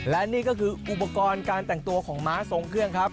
และนี่ก็คืออุปกรณ์การแต่งตัวของม้าทรงเครื่องครับ